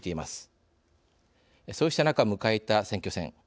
そうした中迎えた選挙戦。